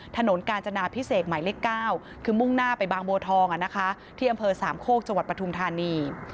ถนนกาญจนาพิเศษหมายเลข๙คือมุ่งหน้าไปบางบัวทองที่อำเภอสามโคกจังหวัดปทุมธานี